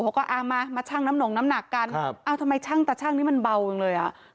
เขาก็มาชั่งน้ำหนงน้ำหนักกันทำไมชั่งตะชั่งนี่มันเบาอยู่เลยอะ